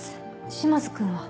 島津君は？